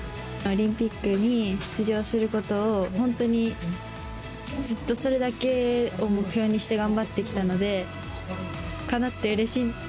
オリンピックに出場することを、本当にずっとそれだけを目標にして頑張ってきたので、かなってうれしい。